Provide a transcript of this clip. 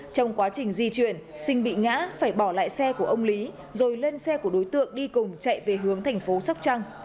trong quá trình di chuyển sinh bị ngã phải bỏ lại xe của ông lý rồi lên xe của đối tượng đi cùng chạy về hướng thành phố sóc trăng